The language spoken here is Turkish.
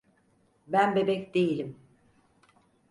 Ben bebek değilim.